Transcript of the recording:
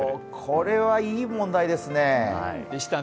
これはいい問題でした。